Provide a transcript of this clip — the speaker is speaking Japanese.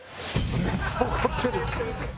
めっちゃ怒ってる。